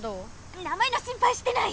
名前の心ぱいしてない。